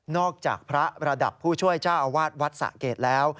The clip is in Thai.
อกจากพระระดับผู้ช่วยเจ้าอาวาสวัดสะเกดแล้ว